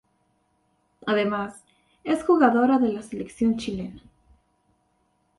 Además, es jugadora de la selección chilena.